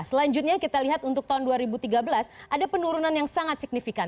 selanjutnya kita lihat untuk tahun dua ribu tiga belas ada penurunan yang sangat signifikan